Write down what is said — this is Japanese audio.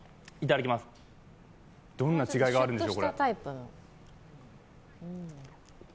どんな違いがあるんでしょう。